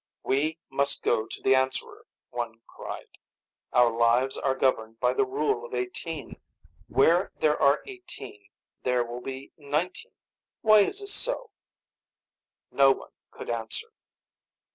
"We must go to the Answerer," one cried. "Our lives are governed by the rule of eighteen. Where there are eighteen, there will be nineteen. Why is this so?" No one could answer.